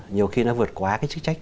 nhiều khi nó vượt quá chức trách